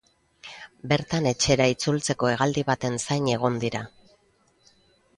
Bertan etxera itzultzeko hegaldi baten zain egon dira.